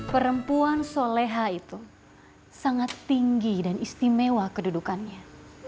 perempuan soleha itu sangat tinggi dan istimewa kedudukannya